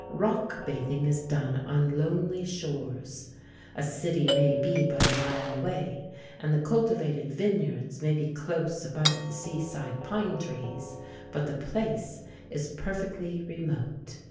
Rock bathing is done on lonely shores. A city may be but a mile away, and the cultivated vineyards may be close above the seaside pine trees, but the place is perfectly remote.